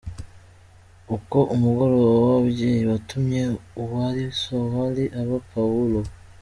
Uko umugoroba w’ababyeyi watumye uwari Sawuli aba Pawulo.